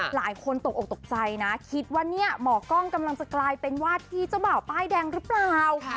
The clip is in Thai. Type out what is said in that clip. หลายคนตกออกตกใจนะคิดว่าเนี่ยหมอกล้องกำลังจะกลายเป็นวาดที่เจ้าบ่าวป้ายแดงหรือเปล่า